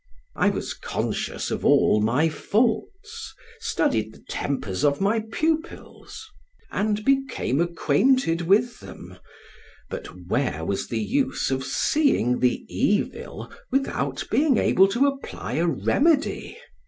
I was conscious of all my faults, studied the tempers of my pupils, and became acquainted with them; but where was the use of seeing the evil, without being able to apply a remedy?